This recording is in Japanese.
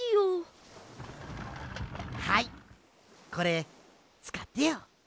はいこれつかってよ。